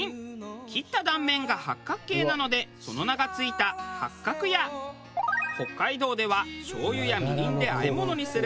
切った断面が八角形なのでその名が付いた八角や北海道ではしょうゆやみりんであえ物にする